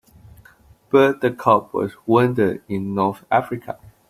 Bert the cop was wounded in North Africa.